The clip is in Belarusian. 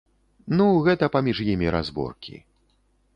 Ну, гэта паміж імі разборкі.